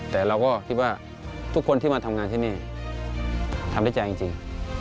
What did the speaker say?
แต่เราก็คิดว่าทุกคนที่มาทำงานที่นี่ทำด้วยใจจริง